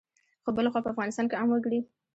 خو بلخوا په افغانستان کې عام وګړي